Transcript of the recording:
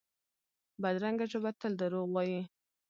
بدرنګه ژبه تل دروغ وايي